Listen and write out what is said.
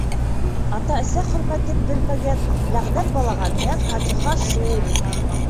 Ата-әсә хөрмәтен белмәгән ләғнәт балаға минән фатиха шул...